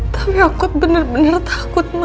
tapi aku bener bener takut ma